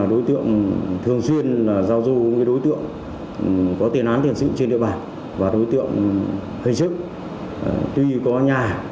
đối tượng thường xuyên giao du đối tượng có tiền án tiền sự trên địa bàn